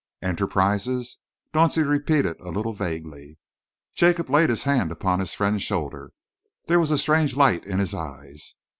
"Enterprises?" Dauncey repeated a little vaguely. Jacob laid his hand upon his friend's shoulder. There was a strange light in his eyes.